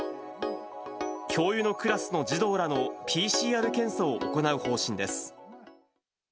教諭のクラスの児童らのＰＣＲ検査を行う方針です。